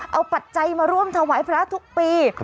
เอาปัจจัยมาร่วมถวายพระทุกปี